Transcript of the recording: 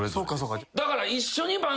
だから。